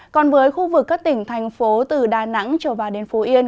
còn với khu vực các tỉnh thành phố từ đà nẵng trở vào đến phú yên